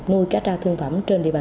nuôi cá cha thương phẩm